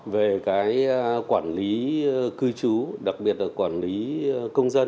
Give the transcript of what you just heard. về cái quản lý cư trú đặc biệt là công tác công an